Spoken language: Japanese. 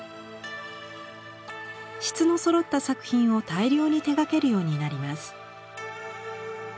質のそろった作品を大量に手がけるようになります。